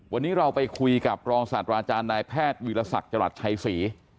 วันนี้เราไปคุยกับรองศาสตราอาจารย์นายแพทย์วิลศักดิ์จรัสชัยศรี